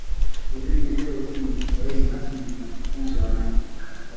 shuleni Leo hii ni Kiswahili rasmi kinachofunzwa na